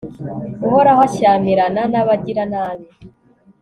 uhoraho ashyamirana n'abagiranabi